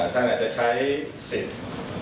ท่านอาจจะใช้สิทธิ์